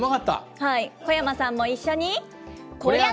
小山さんも一緒に、こりゃ。